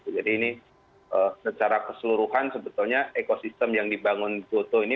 ini secara keseluruhan sebetulnya ekosistem yang dibangun gotoh ini